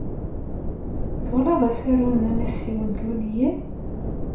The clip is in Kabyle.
Twalaḍ asaru n Amasiw n Tlulliyin?